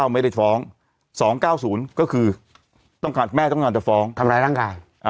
ไม่ได้ฟ้อง๒๙๐ก็คือต้องการแม่ต้องการจะฟ้องทำร้ายร่างกาย